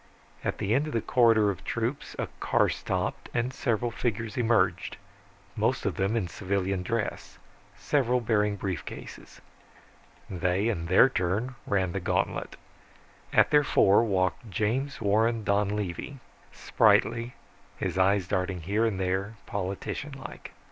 At the end of the corridor of troops a car stopped and several figures emerged, most of them in civilian dress, several bearing brief cases. They in their turn ran the gantlet. At their fore walked James Warren Donlevy, spritely, his eyes darting here, there, politician like.